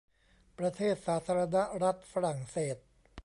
ประเทศสาธารณรัฐฝรั่งเศส